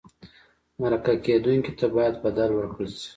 مرکه کېدونکي ته باید بدل ورکړل شي.